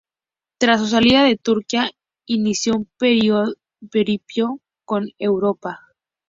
Tras su salida de Turquía inició un periplo por Europa.